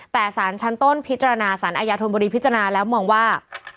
แต่สารชั้นต้นพิจารณาสารอาญาธนบุรีพิจารณาแล้วมองว่า